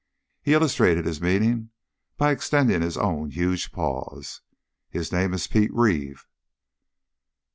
He illustrated his meaning by extending his own huge paws. "His name is Pete Reeve."